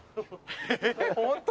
ホント？